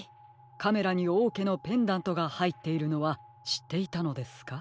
カメラにおうけのペンダントがはいっているのはしっていたのですか？